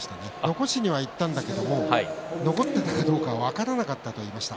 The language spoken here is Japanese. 残しにはいったんだけど残っていたかどうかは分からなかったと言いました。